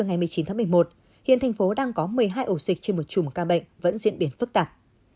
ngày một mươi chín tháng một mươi một hiện thành phố đang có một mươi hai ổ dịch trên một chùm ca bệnh vẫn diễn biến phức tạp